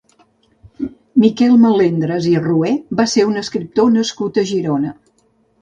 Miquel Melendres i Rué va ser un escriptor nascut a Girona.